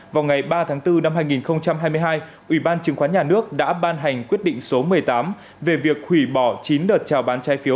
vào ngày ba tháng bốn năm hai nghìn hai mươi hai ubnd đã ban hành quyết định số một mươi tám về việc hủy bỏ chín đợt trào bán trái phiếu